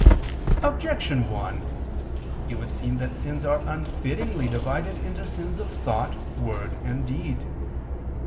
Objection 1: It would seem that sins are unfittingly divided into sins of thought, word, and deed.